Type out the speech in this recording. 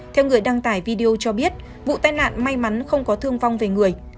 theo người đăng tải video cho biết vụ tai nạn may mắn không có thương vong về người